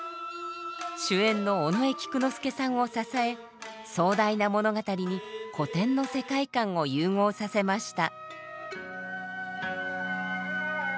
主演の尾上菊之助さんを支え壮大な物語に古典の世界観を融合させました。